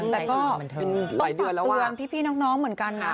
แต่ก็ต้องฝากเตือนพี่น้องเหมือนกันนะ